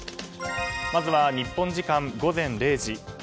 まずは日本時間午前０時。